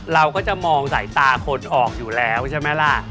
เราก็จะมองสายตาคนออกอยู่แล้วใช่ไหมล่ะ